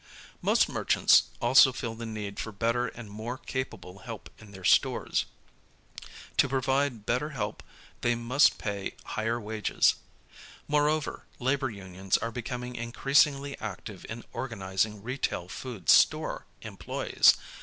Most merchants also feel the need for better and more capable help in their stores. To provide better help they must pay higher wages. Moreover, labor unions are becoming increasingly active in organizing retail food store employes.